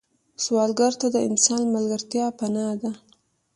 سوالګر ته د انسان ملګرتیا پناه ده